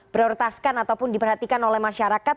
prioritaskan ataupun diperhatikan oleh masyarakat